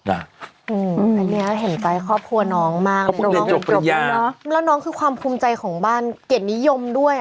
อันนี้เห็นใจครอบครัวน้องมากเลยน้องแล้วน้องคือความภูมิใจของบ้านเกียรตินิยมด้วย